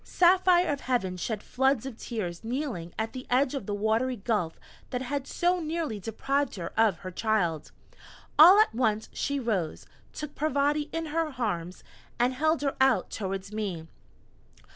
Saphire of Heaven shed floods of tears kneeling at the edge of the watery gulf that had so nearly deprived her of her child. All at once she rose, took Parvati in her arms, and held her out towards me.